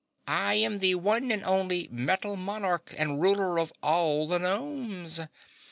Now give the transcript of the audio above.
"I am the one and only Metal Monarch and Ruler of all the Gnomes!